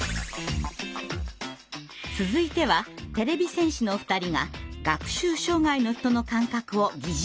続いてはてれび戦士の２人が学習障害の人の感覚を疑似体験。